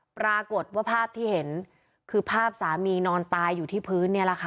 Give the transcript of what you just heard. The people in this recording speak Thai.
ปรากฏว่าภาพที่เห็นคือภาพสามีนอนตายอยู่ที่พื้นเนี่ยแหละค่ะ